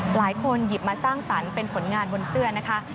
หลายคนหยิบมาสร้างสรรค์เป็นผลงานบนเสื้อนะคะ